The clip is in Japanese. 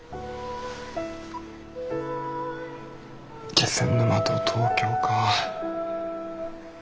気仙沼と東京か。